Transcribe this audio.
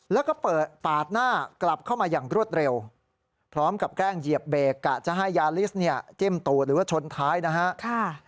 เหตุการณ์จะให้ยาริสเต้มตูดหรือว่าชนท้ายนะครับ